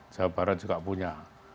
jawa barat juga punya